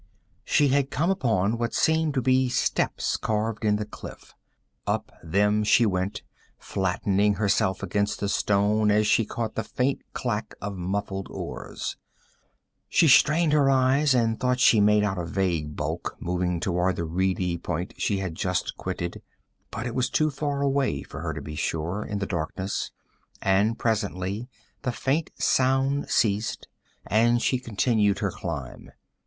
She had come upon what seemed to be steps carved in the cliff. Up them she went, flattening herself against the stone as she caught the faint clack of muffled oars. She strained her eyes and thought she made out a vague bulk moving toward the reedy point she had just quitted. But it was too far away for her to be sure, in the darkness, and presently the faint sound ceased, and she continued her climb.